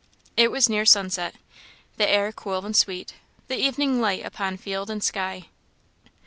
It was near sunset; the air cool and sweet; the evening light upon field and sky.